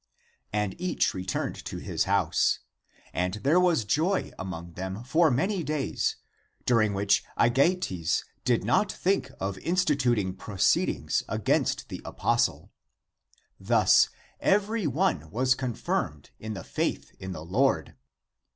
And each returned to his house. And there was joy among them for many days, during which Aegeates did not think of in stituting proceedings against the apostle. Thus every one was confirmed in the faith in the Lord.